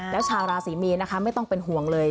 แล้วชาวราศรีมีนนะคะไม่ต้องเป็นห่วงเลย